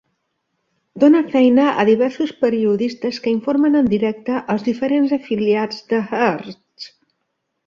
Dona feina a diversos periodistes que informen en directe als diferents afiliats de Hearst.